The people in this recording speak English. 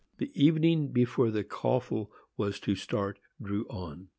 The evening before the coffle was to start drew on.